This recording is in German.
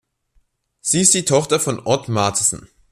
Sie ist die Tochter von Odd Martinsen.